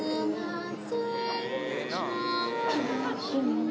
ええな。